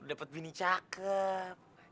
udah dapat bini cakep